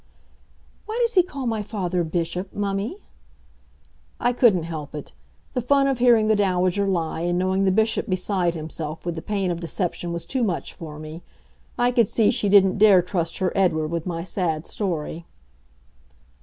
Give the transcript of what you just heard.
"Why does he call my father 'Bishop', mummy?" I couldn't help it. The fun of hearing the Dowager lie and knowing the Bishop beside himself with the pain of deception was too much for me. I could see she didn't dare trust her Edward with my sad story.